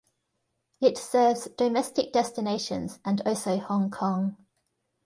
It serves domestic destinations and also Hong Kong.